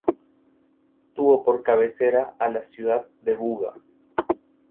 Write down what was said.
Tuvo por cabecera a la ciudad de Buga.